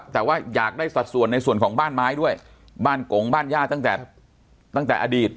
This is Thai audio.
แต่ว่าอยากได้สัดส่วนในส่วนของบ้านไม้ด้วยบ้านกงบ้านย่าตั้งแต่ตั้งแต่อดีต